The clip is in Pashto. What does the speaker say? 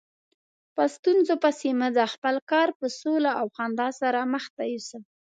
په ستونزو پسې مه ځه، خپل کار په سوله او خندا سره مخته یوسه.